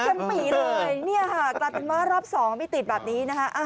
แค่หมีเลยนี่ค่ะกลับมารอบ๒ไม่ติดแบบนี้นะฮะ